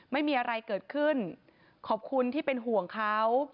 ไม่มีอะไรเกิดขึ้นขอบคุณที่เป็นห่วงเขา